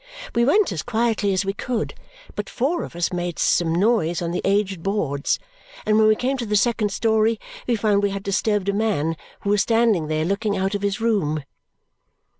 We went as quietly as we could, but four of us made some noise on the aged boards, and when we came to the second story we found we had disturbed a man who was standing there looking out of his room.